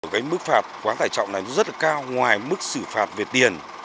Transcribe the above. cái mức phạt quá tải trọng này rất là cao ngoài mức xử phạt về tiền